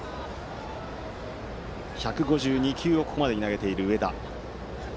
１５２球をここまでに投げている上田。